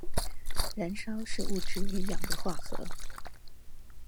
燃燒是物質與氧的化合